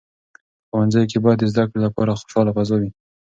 په ښوونځیو کې باید د زده کړې لپاره خوشاله فضا وي.